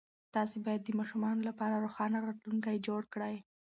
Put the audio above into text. تاسې باید د ماشومانو لپاره روښانه راتلونکی جوړ کړئ.